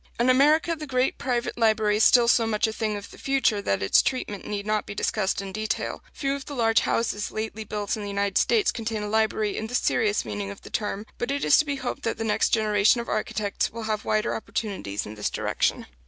In America the great private library is still so much a thing of the future that its treatment need not be discussed in detail. Few of the large houses lately built in the United States contain a library in the serious meaning of the term; but it is to be hoped that the next generation of architects will have wider opportunities in this direction.